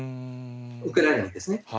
ウクライナにですね。